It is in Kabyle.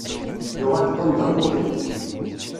Yuɣal Tom d amuḍin.